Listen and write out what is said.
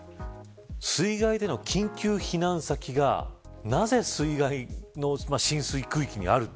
水害での緊急避難先がなぜ、水害の浸水区域にある。